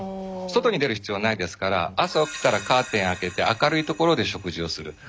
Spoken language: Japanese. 外に出る必要ないですから朝起きたらカーテン開けて明るい所で食事をする。